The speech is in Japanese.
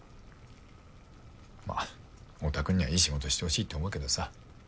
まあ太田君にはいい仕事してほしいって思うけどさ。